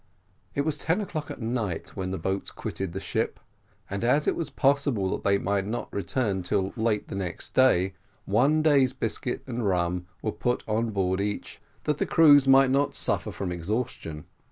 It was ten o'clock at night when the boats quitted the ship; and, as it was possible that they might not return till late the next day, one day's biscuit and rum were put on board each, that the crews might not suffer from exhaustion.